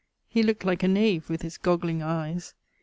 He looked like a knave with his gogling eies.